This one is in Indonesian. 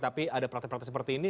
tapi ada praktek praktek seperti ini